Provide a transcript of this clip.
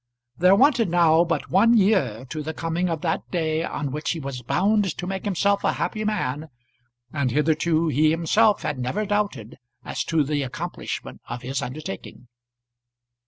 There wanted now but one year to the coming of that day on which he was bound to make himself a happy man, and hitherto he himself had never doubted as to the accomplishment of his undertaking.